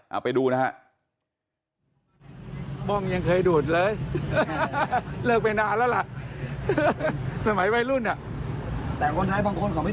เอาไปดูนะครับ